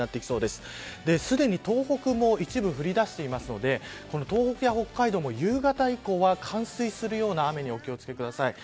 すでに東北も一部降りだしているので東北や北海道も、夕方以降は冠水するような雨にお気を付けください。